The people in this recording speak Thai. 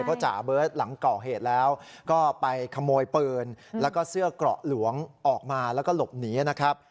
เพราะจ่าเบิร์ตหลังก่อเหตุแล้วก็ไปขโมยปืนแล้วก็เสื้อเกราะหลวงออกมาแล้วก็หลบหนีนะครับ